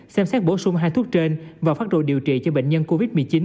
xem xét bổ sung hai thuốc trên và phát đồ điều trị cho bệnh nhân covid một mươi chín